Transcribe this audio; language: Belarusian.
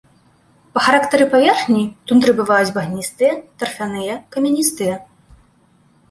Па характары паверхні тундры бываюць багністыя, тарфяныя, камяністыя.